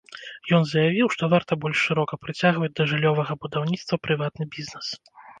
Ён заявіў, што варта больш шырока прыцягваць да жыллёвага будаўніцтва прыватны бізнэс.